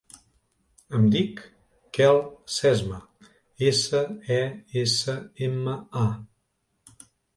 Em dic Quel Sesma: essa, e, essa, ema, a.